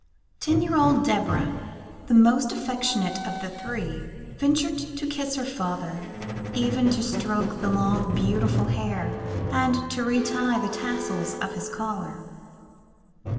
Ten year old Deborah, the most affectionate of the three, ventured to kiss her father, even to stroke his long, beautiful hair, and to re tie the tassels of his collar.